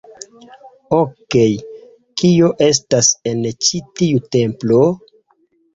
Okej, kio estas en ĉi tiu templo?